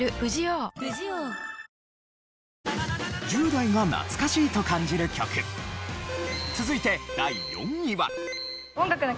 １０代が懐かしいと感じる曲続いて第４位は。